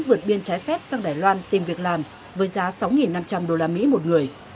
vượt biên trái phép sang đài loan tìm việc làm với giá sáu năm trăm linh đô la mỹ một người